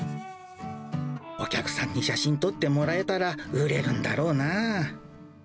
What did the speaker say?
お客さんに写真撮ってもらえたら売れるんだろうなあ。